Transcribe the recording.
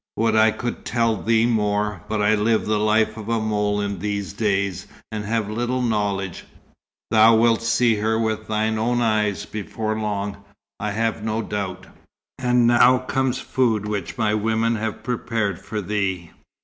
Would I could tell thee more, but I live the life of a mole in these days, and have little knowledge. Thou wilt see her with thine own eyes before long, I have no doubt. And now comes food which my women have prepared for thee.